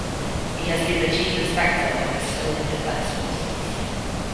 He has been the chief inspector of Estonian Defence Forces.